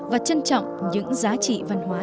và trân trọng những giá trị văn hóa